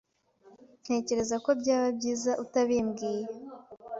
Ntekereza ko byaba byiza utabimbwiye.